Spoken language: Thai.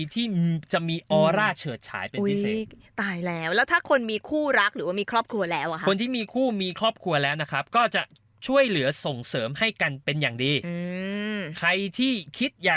ตายแล้วอย่าลืมพีทด้วยนะคะคุณน้องขา